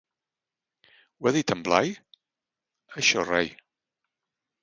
Ho ha dit en Blai? Això rai!